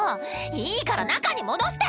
いいから中に戻して！